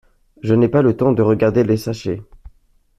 J’ai pas eu le temps de regarder les sachets.